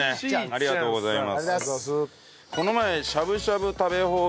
ありがとうございます。